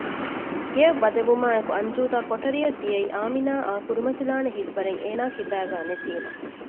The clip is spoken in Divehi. ގެއަށް ވަދެވުމާއެކު އަންޖޫދާ ކޮޓަރިއަށް ދިއައީ އާމިނާއާ ކުރިމަތިލާނެ ހިތްވަރެއް އޭނާގެ ކިބައިގައި ނެތީމަ